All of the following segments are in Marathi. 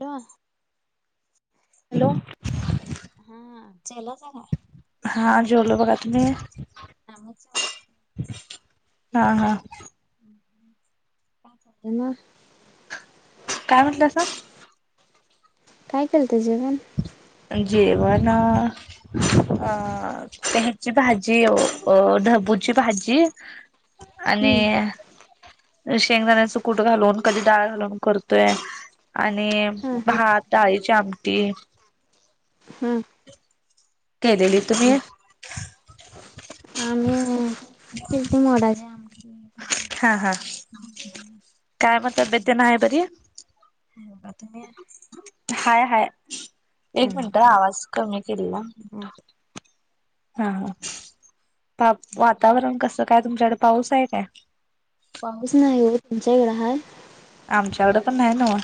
हॅलो हॅलो हा जेवलासा काय हा जेवलो बघा तूम्ही आच [unintelligible] हा हा पाच हजार म [unintelligible] काय म्हटलंसा काय केलत जेवण जेवण अ त्याची भाजी अ ढबूची भाजी आणि हम्म शेंगदाण्या कूट घालून कधी डाळ घालून करतोय आणि हा हा भात डाळीची आमटी हम्म केलेली तुम्ही आमही कितीती मोडाचे हा हा काय मग तब्येत द ना आहे बरी हा तुम्ही हाय हाय. एक मिनट हा आवाज कमी केलेला. हा हा वा- वातावरण कसं काय तुमच्याकडे पाऊस आहे काय? पाऊस नाही येत तुमच्याकडे हाय? आमच्याकडं पण नाही ना.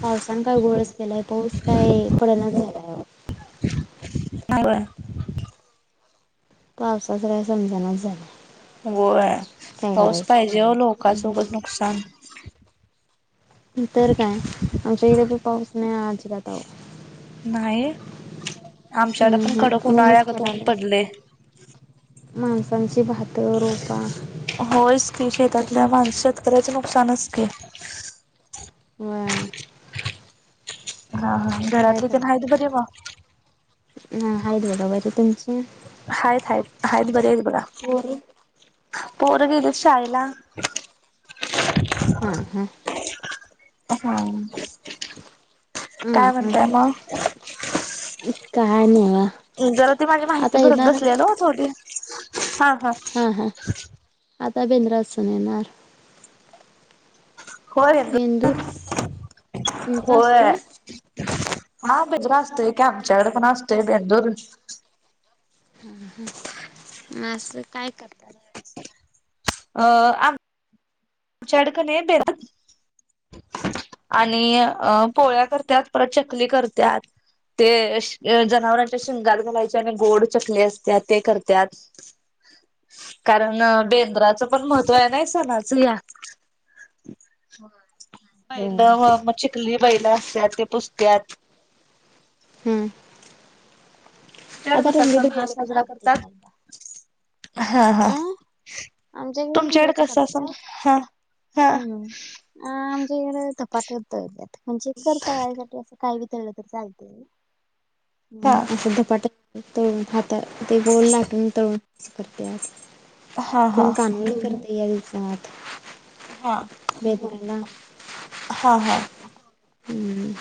पावसान काय घोळच केलाय पाऊस काय पडना झाला. [inaudible] पावसाच काय समजनाच झालंय. होय काय पाऊस पाहिजे हो लोकांचा उगाच करायचं नुकसान. ती तर काय आमच्या इथे पण पाऊस नाही अजीबात अहो. नाही आमच्या कडे अं पण कडक हं ऊनच उन्हाळ्यागत वानी पडालय पडलंय. माणसांची भात रोपा होयच की शेतातल्या तशाच माणस पडल्यात शेतकऱ्याच नुकसानच की. व्हय. हा हा घरातली पण आहेत बरी म. ना आहेत बघा बरी तुमची? हायेत हायेत हायेत बरी आहेत बघा. पोरी पोर गेलीत शाळेला. हा हा. हा काय ह म्हणताय ह मग. काय नाही आ. जरा ती माझी माहिती भरत बसलेलो थोडी हा हा. हा हा आता बेंदरा [inaudible] सण येणार. हो येत बेंदूर तुमचा होय‌. असतोय हा बिजरा असतय आमच्याकड पण असतोय. [inaudible] असं काय करता. [inaudible] अ -आमच्या कड क नई आणि अ पोळ्या करत्यात परत चकली करत्यात. ते शी जनावरांच्या शिंगात घालायचे आणि गोड चकली असत्या ते करत्यात. [inaudible] कारण बेंद्राचं पण महत्त्व आहे नाही सणाचं ह्या. व्हय. बैल मग चिकली बैला असत्यात ते पुसत्यात. हम्म. तुमच्याकडे आता कसा रंगीत सण हा बैल पण साजरा आलेत करतात विकायला. हा हा आमच्या घरी तुमच्याकडे इगच कसं सण करत्यात हा. हा हम्म हम्म आमच्या इकड धपाटे तळत्यात म्हणजे करता. [inaudible] काय बी तळलं तर चालतय हा असं‌ धपाटे तळून खात तर ते गोल लाटून तळूनच करत्यात. हा कोण हा कान्हुले करत या दिवसात. हा. [unintelligible] हा हा. हम्म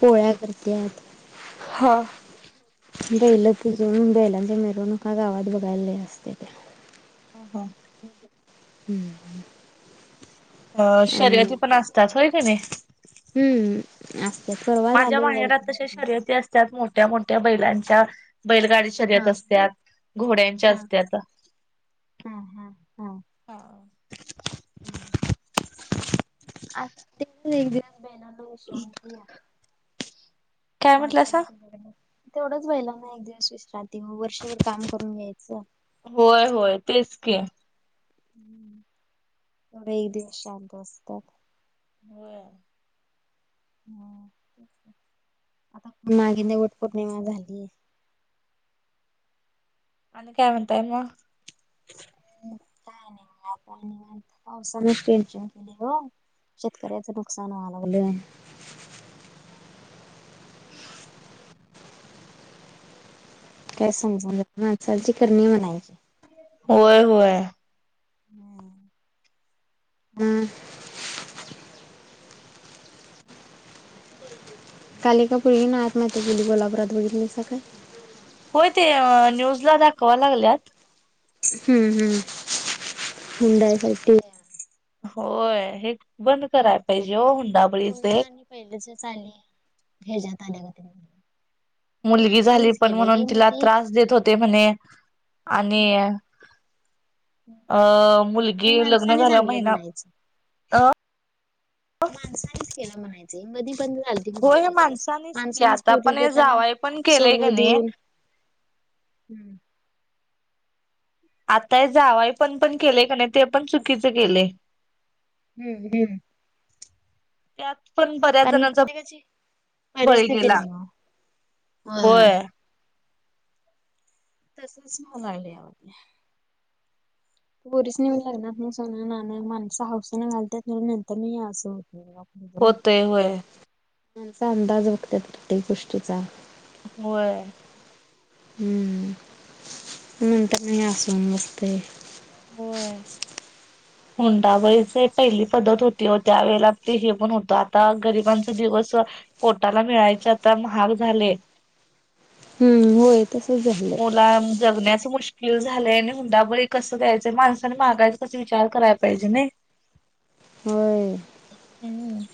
पोळ्या करत्यात. हा. बैल पुजून बैलांच्या मिरवणूका गावात बघायले लई असत्यात्या. हम हम. हम्म. अ आणि शर्यती पण असतात होय क नी. हम्म असत्यात परवा झाली बघा इथ त्यात मोठ्या मोठ्या बैलांच्या बैलगाडी शर्यत हा असत्यात घोड्यांच्या हा असत्यात. हा हम्म आ एक बणाला विश्रांती या [inaudible] काय वर्ष म्हटलंसा? तेवढंच बैलांना एक दिवस विश्रांती. ते या वर्षभर काम करून घ्यायचं होय होय तेच की तेवढ एक दिवस शांत असतात. व्हय. ह आता मागिद्या वट पौर्णिमा झाली. आणि काय म्हणताय म काय नाही पावसाने टेन्शन केले हो शेतकऱ्याच नुकसान व्हाय लागलेय. हम् [inaudible] काय समज जी करणी म्हनायची. होय होय. हम् हम्म. काल एका पोरगीनं आत्महत्या केली कोल्हापुरात बघितलासा काय? होय ते न्यूजला दाखवाय लागल्यात. हम्म हम्म मुंदाय स्लप [inaudible] होय हे बंद करायला पाहिजे हो हुंडाबळीचे... पहिलेली घजत आल्या [inaudible] मुलगी झाली पण म्हणून तिला त्रास देत होते म्हणे आणि अ मुलगी लग्न झाल्या महिना अ माणसानेच केलं म्हणायचं मध्ये बंद झालतं होय हे हुंड्यायची पद्धत की माणसानीच आता पुरगी पण हे देताना जावाय पण केलंय सोनं कणी देऊन. हम्म [inaudible] आताय जावयपण पण केलेय का नाही ते पण चुकीच केलेय. हम्म हम्म... त्यात पण बऱ्याच कारण जणांचा प्रत्येकाची बळी परिस्थिती गेला. नाही ओ होय. [inaudible] पोरीसनी लग्नात सोनं नान हौसेने घालतात आणि हे असं होतय मग होतय होय माणसं अंदाज बघतात प्रत्येक गोष्टीचा होय. हम्म! नंतर न असं होऊन बसतय. होय. हुंडाबळीच पहिली पद्धत होती त्यावेेळेला ते हे पण होतं आता गरिबांचा दिवस पोटाला मिळायच आता महाग झालय. हम्म होय तसच झालंय. जगण्याचं मुश्किल मुश्किल झालेय आणि हुंडाबळी कसं द्यायचय माणसा मागायच कस विचार विचार करायला पाहिजे नाही होय हम्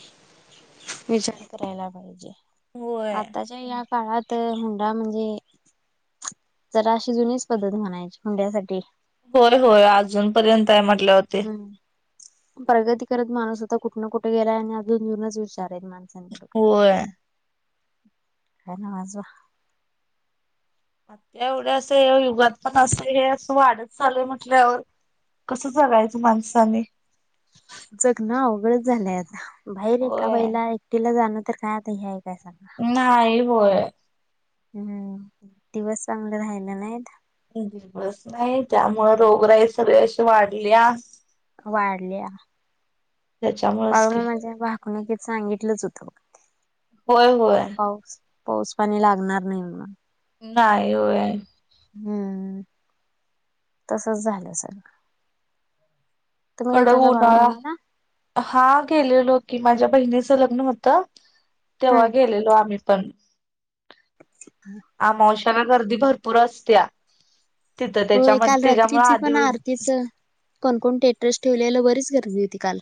विचार करायला पाहिजे, होय. आताच्या या काळात हुंडा म्हणजे जरा अशी जुनीच पद्धत म्हणायची हुंड्यासाठी. होय होय अजूनपर्यंत आहे म्हटल्यावर ती. प्रगती करत माणूस आता कुठ न कुठ गेलाय आणि अजून जुनच विचार आहेत माण, होय. [unintelligible] काय नवाच बा. आत्या एवढ अस या युगात पण असं हे असं वाढत चाललय म्हटल्यावर कसं जगायचं माणसानी. जगणं अवघडंच झालंय आता, बाहेर एका होय बाईला एकटीला जाणं तर काय आता हे आहे काय सांगा. नाही होय. हम्म, दिवस चांगलं राहिलं नाहीत. बस नाही त्यामुळ रोगराई सगळी अशी वाढल्या. वाढल्या. त्याच्यामुळेच की बाळूमामाच्या भाकणुकीत सांगितलंच होतं बघ ते. होय होय. पाऊस, पाऊस पाणी लागणार नाही म्हनून. नाही होय. हम्म, तसच झालं सगळ. कडक उन्हाळा. बाळूमामाला हा गेलेलो कि माझ्या बहिणीच लग्न होतं, तेव्हा हम्म गेलेलो आम्ही. पण अहं. अमावश्याला गर्दी भरपूर असतया, तिथं त्याच्यामध्ये त्याच्यामुळे आधी तेच, कोण कोण स्टेटस ठेवलेला बरीच गर्दी होती काल.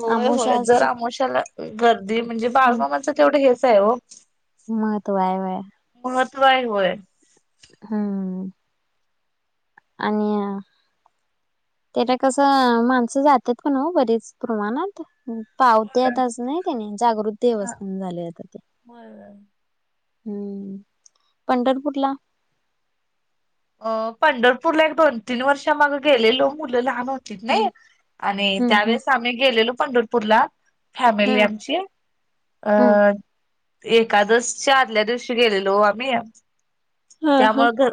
होय आमोशा होय आज जर ते आमोशाला गर्दी म्हणजे बाळूमामाचं तेवढं हेच आहे ओ. महत्त्व आहे होय. महत्वाय होय. हम्म. आणि त्याला कसं माणसं जात्यात पण ओ बरीच प्रमाणात. पावत्यातच नई त्यांनी जागृत देवस्थान झालय आता ते. हम्म, पंढरपूरला अ पंढरपूरला एक दोन तीन वर्ष माग गेलेलो मुलं लहान हो तीत हम्म नई, आणि हम्म हम्म त्यावेेळेस आम्ही गेलेलो पंढरपूरला. फॅमिली हम्म आमची, अ हम्म एकादसच्या आदल्या दिवशी गेलेलो ओ आम्ही, हा हा. त्यामुळ घर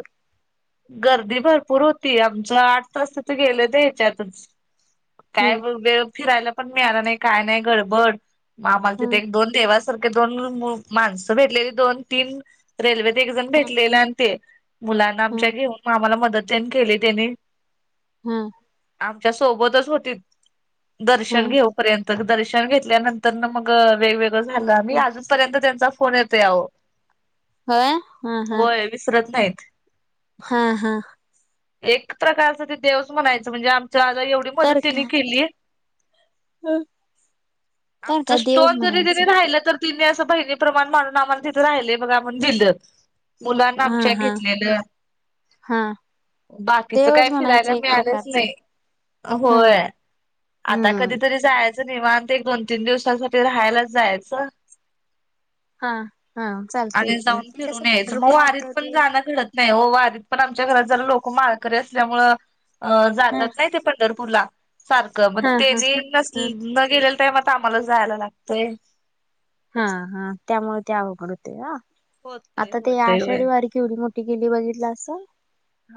गर्दी भरपूर होती आमच आठ तास तीथ गेलं याच्यातच काय हम्म म वेळ फिरायला पण मिळाला नाही काय नाही गडबड, आम्हाला तिथे हम्म एक दोन देवास सारखे दोन मु-माणसं भेटलेली दोन तीन, रेल्वेत एकजण हम्म भेटलेले आणि ते. मुलांना आमच्या हम्म घेऊन म आम्हाला मदत त्यांनी केली त्यानी. हा. आमच्या सोबतच होतीत, दर्शन हम्म. घेऊ पर्यंत दर्शन घेतल्यानंतरन मग वेगवेगळं झालं आम्ही हम्म. अजून पर्यंत त्यांचा फोन येतोय अहो. होय, हा हा. होय विसरत नाहीत. हा हा एक प्रकारच ते देवस म्हणायचं म्हणजे आमच्या आता एवढी मदत तर त्यांनी काय? केलीय हम. तर आमचा काय देवच स्टोन जरी त म्हणायचा राहिलं तर तिने असं बहिणी प्र्रमाण माणून आम्हाला तिथे राहिय बघा म्हण दिलं मुलांना हा आमच्या हा घेतलेलं हा बाकीचं देवच काय म्हणायचं फिरायला एक मिळालंच प्रकारच नाही हम्म होय आता हम्म कधीतरी जायचं निवांत एक दोन तीन दिवसाांसाठी राहायलाच जायचं हा. हा चालतय आले की जाऊन ते कसं फिरून यायचं मग पंढरपुरात वारीत पण ते जाणं घडत नाही हो आधीत पण आमच्या घरात झालं लोक माळकरी असल्यामु अ ह जातात नाही ते पंढरपूरला सारखं मग हा हा. त्यानी नस ह न गेलेला त्याम आम्हाला जायला लागतय हा हा त्यामुळे ते अवघड होते ह होतय आता ते होतय होय. आषाढी वारी किवी मोठी केेली बघितलं असं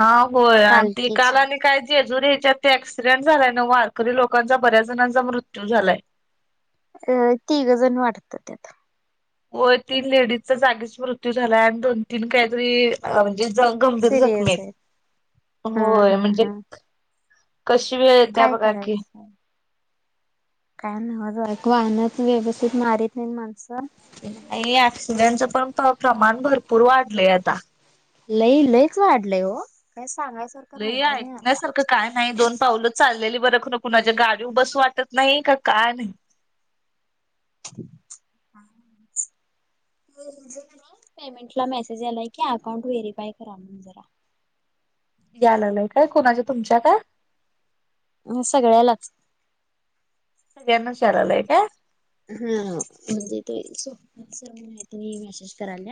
हा होय आणि त काला आणि काय जे अजून ह्याच्यात ते ऍक्सिडेंट झालाय ना वारखरी लोकांचा बऱ्याच जणांचा मृत्यू झालाय अ तीघ जण वाटत त्यात व तीन लेडीजचा जागीच मृत्यू झाला आणि दोन तीन काहीतरी म्हणजे गंभीर जखमी सिरियस आहे हा होय हा म्हणजे हा. कशी वेळ येत्या काय बघा की करायचं काय नव वाहनच व्यवस्थित मारत नाही माणसं नाही ऍक्सिडेंटच पण प्रमाण भरपूर वाढलंय आता लई लयच वाढलंय हो काय सांगायच लई ऐकण्या सारखं काय नाही दोन पावलं चाललेली बरख ना कुणाच्या गाडी बसू वाटत नाही का नाही हम् पेमेंटला मेसेज आलाय की अकाउंट व्हेरीफाय करा मग जरा याय लागलंय काय क कोणाच्या तुमच्या काय सगळ्यालाच हेनशारलय का हा म्हणजे स मा म मॅसेज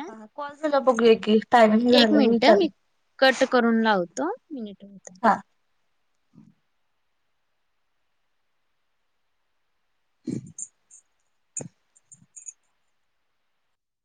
हा कॉल झाला बघूया की टायम एक झालं म वि मिनिट मी चाले कट करून लावतो मिनिट हो हा.